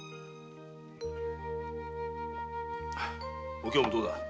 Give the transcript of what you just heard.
お京もどうだ？